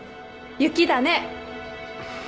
雪だね。